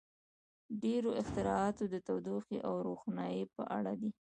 • ډېری اختراعات د تودوخې او روښنایۍ په اړه دي.